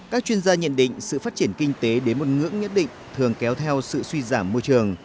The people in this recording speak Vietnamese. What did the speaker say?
các chuyên gia nhận định sự phát triển kinh tế đến một ngưỡng nhất định thường kéo theo sự suy giảm môi trường